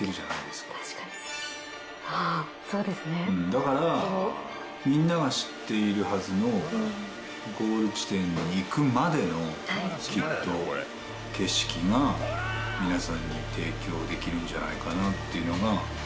「だからみんなが知っているはずのゴール地点に行くまでの景色が皆さんに提供できるんじゃないかなっていうのが」